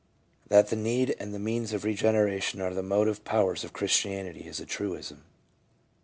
That the need and the means of regeneration are the motor powers of Christianity, is a truism.